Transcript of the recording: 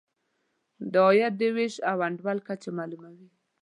د عاید د وېش د انډول کچه معلوموي.